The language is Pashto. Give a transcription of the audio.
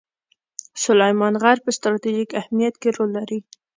سلیمان غر په ستراتیژیک اهمیت کې رول لري.